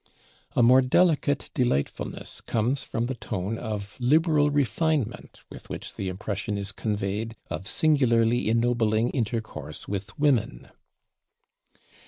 A more delicate delightfulness comes from the tone of liberal refinement with which the impression is conveyed of singularly ennobling intercourse with women.